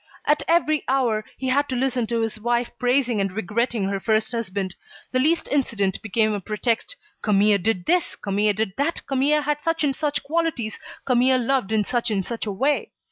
At every hour, he had to listen to his wife praising and regretting her first husband. The least incident became a pretext: Camille did this, Camille did that, Camille had such and such qualities, Camille loved in such and such a way.